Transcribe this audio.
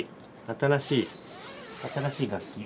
新しい新しい学期。